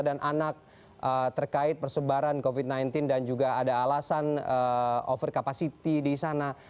dan anak terkait persebaran covid sembilan belas dan juga ada alasan over capacity di sana